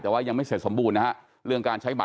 แต่ว่ายังไม่เสร็จสมบูรณ์นะครับ